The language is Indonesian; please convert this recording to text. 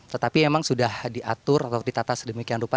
tetapi memang sudah diatur atau ditata sedemikian rupa